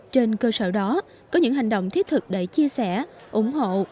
trên cơ sở đó có những hành động thiết thực để chia sẻ ủng hộ